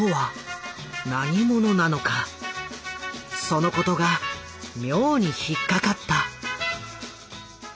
そのことが妙に引っ掛かった。